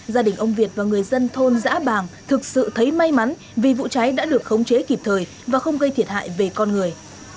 gia đình ông việt và người dân thôn giã bàng thực sự thấy may mắn vì vụ cháy đã được khống chế kịp thời và không gây thiệt hại về con người